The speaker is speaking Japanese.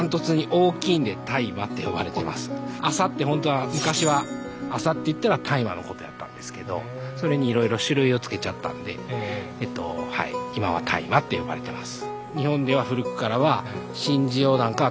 麻って本当は昔は麻っていったら大麻のことやったんですけどそれにいろいろ種類をつけちゃったんで今は大麻って呼ばれてます。